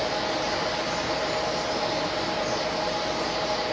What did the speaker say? ต้องเติมเนี่ย